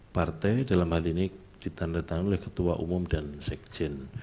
partai dalam hal ini ditandatangani oleh ketua umum dan sekjen